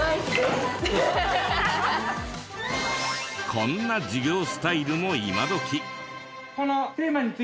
こんな授業スタイルも今どき。